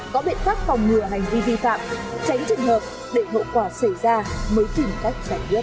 có biện pháp phòng ngừa hành vi vi phạm tránh trường hợp để hậu quả xảy ra mới tìm cách giải quyết